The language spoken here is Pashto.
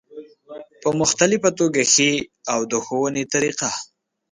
په مختلفه توګه ښي او د ښودنې طریقه